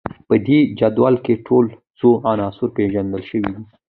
په دې جدول کې ټول څو عناصر پیژندل شوي دي